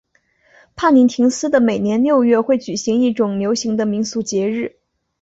帕林廷斯的每年六月会举行一种流行的民俗节日。